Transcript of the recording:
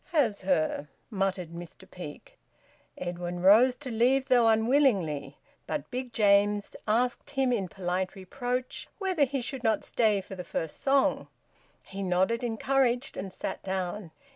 "Has her?" muttered Mr Peake. Edwin rose to leave, though unwillingly; but Big James asked him in polite reproach whether he should not stay for the first song. He nodded, encouraged; and sat down.